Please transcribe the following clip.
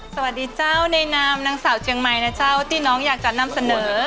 สวัสดีเจ้าในนามนางสาวเจียงใหม่นะเจ้าที่น้องอยากจะนำเสนอ